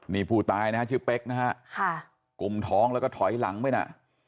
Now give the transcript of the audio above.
นี่ผู้ตายนะฮะชื่อเป๊กนะฮะค่ะกลุ่มท้องแล้วก็ถอยหลังไปน่ะ